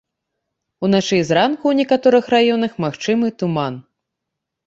Уначы і зранку ў некаторых раёнах магчымы туман.